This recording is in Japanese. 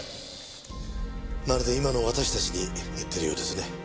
まるで今の私たちに言っているようですね。